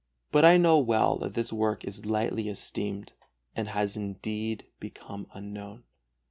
But I know well that this work is lightly esteemed, and has indeed become unknown.